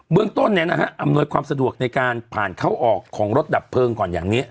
เมืองต้นอำนวยความสะดวกในการผ่านเข้าออกของรถดับเพลิงก่อนอย่างนี้